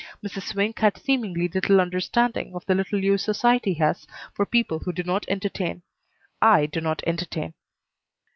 Mrs. Swink had seemingly little understanding of the little use society has for people who do not entertain. I do not entertain.